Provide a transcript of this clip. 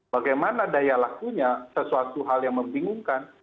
bagaimana daya lakunya sesuatu hal yang membingungkan